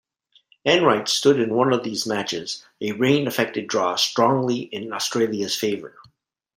Enright stood in one of these matches, a rain-affected draw strongly in Australia's favour.